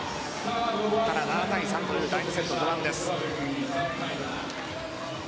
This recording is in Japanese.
ただ、７対３という第２セット序盤です。